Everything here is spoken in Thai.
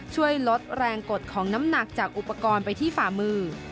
ช่วยลดแรงกดของน้ำหนักจากอุปกรณ์ไปที่ฝ่ามือ